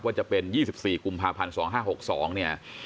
จะเป็น๒๔กุมภาพันธ์๒๕๖๒เนี่ย